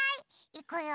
いくよ。